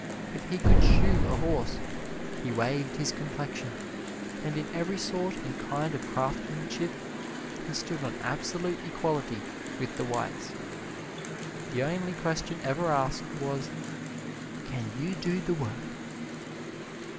If he could shoe a horse, we waived his complexion; and in every sort and kind of craftsmanship he stood on absolute equality with the whites. The only question ever asked was, "Can you do the work?"